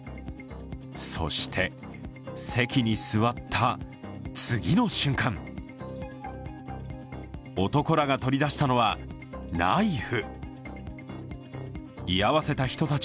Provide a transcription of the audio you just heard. そして、席に座った次の瞬間男らが取り出したのはナイフ。